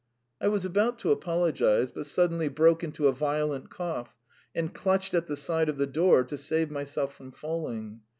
I was about to apologise, but suddenly broke into a violent cough, and clutched at the side of the door to save myself from falling.